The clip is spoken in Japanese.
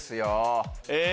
え！